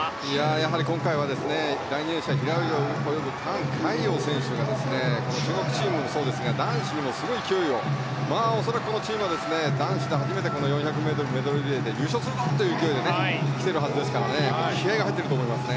やはり今回は第２泳者平泳ぎを泳ぐタン・カイヨウ選手が男子にもすごい勢いを恐らくこのチームは男子で初めて４００ｍメドレーリレーで優勝するぞという勢いで来ていると思いますから気合が入っていると思います。